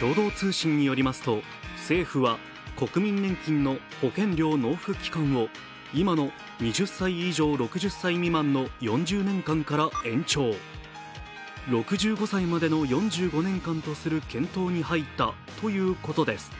共同通信によりますと、政府は国民年金の保険料納付期間を今の２０歳以上６０歳未満の４０年間から延長、６５歳までの４５年間とする検討に入ったということです。